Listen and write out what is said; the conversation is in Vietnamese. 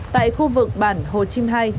tại khu vực bản hồ chim hai